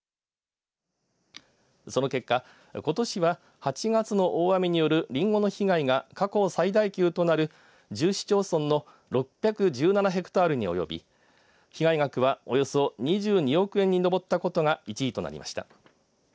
その結果ことしは８月の大雨によるりんごの被害が過去最大級となる１０市町村の６１７ヘクタールに及び被害額はおよそ２２億円に上ったことが１位となりました。